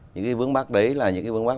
những cái vướng mắt đấy là những cái vướng mắt